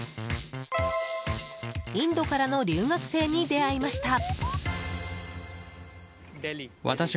インドからの留学生に出会いました。